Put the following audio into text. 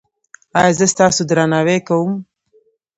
ایا زه ستاسو درناوی کوم؟